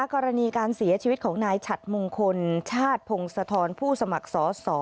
กรณีการเสียชีวิตของนายฉัดมงคลชาติพงศธรผู้สมัครสอสอ